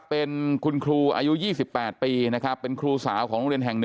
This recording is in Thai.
เป็นคุณครูอายุ๒๘ปีนะครับเป็นครูสาวของโรงเรียนแห่ง๑